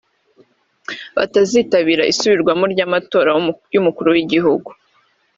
batazitabira isubirwamo ry’amatora y’Umukuru w’Igihugu